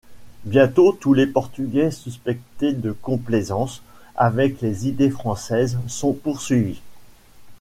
Bientôt tous les Portugais suspectés de complaisance avec les idées françaises sont poursuivis.